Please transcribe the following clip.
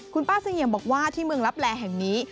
คุณป้าเสงี่ยมบอกว่าที่เมืองลับแลแห่งนี้